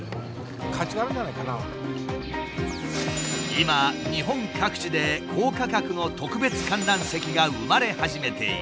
今日本各地で高価格の特別観覧席が生まれ始めています。